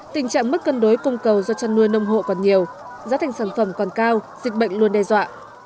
tình trạng mất cân đối cung cầu do chăn nuôi nông hộ còn nhiều giá thành sản phẩm còn cao dịch bệnh luôn đe dọa